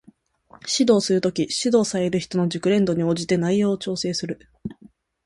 指導する時、指導される人の熟練度に応じて内容を調整する